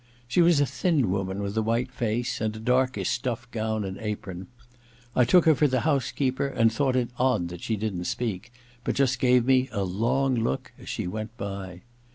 She was a thin woman with a white face, and a darkish stuff gown and apron. I took her for the housekeeper and thought it odd that she didn't speak, but just gave me a long look as she went by.